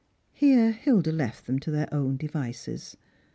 Here Hilda left them to their own devices.